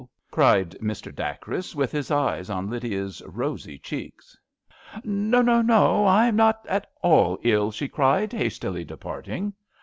" cried Mr. Dacres, with his eyes on Lydia's rosy cheeks. ISO A RAINY DAY. " No, no, I am not at all ill," she cried, hastily departing.